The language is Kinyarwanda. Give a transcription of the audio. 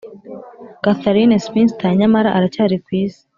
'katharine spinster,' nyamara aracyari kwisi